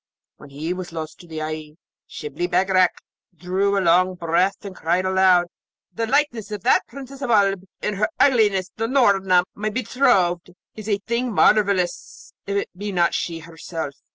When he was lost to the eye, Shibli Bagarag drew a long breath and cried aloud, 'The likeness of that Princess of Oolb in her ugliness to Noorna, my betrothed, is a thing marvellous, if it be not she herself.'